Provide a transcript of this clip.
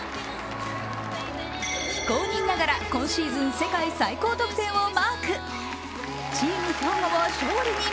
非公認ながら今シーズン世界最高得点をマーク。